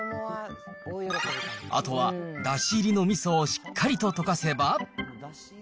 あとはだし入りのみそをしっかりと溶かせば。